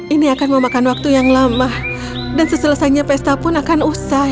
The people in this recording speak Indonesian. ini akan memakan waktu yang lama dan seselesainya pesta pun akan usai